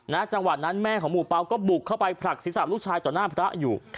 จังหวัดนั้นแม่ของหมู่เปล่าก็บุกเข้าไปผลักศีรษะลูกชายต่อหน้าพระอยู่